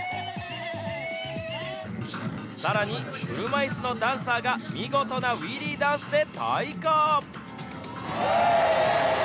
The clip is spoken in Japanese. さらに車いすのダンサーが見事なウィリーダンスで対抗。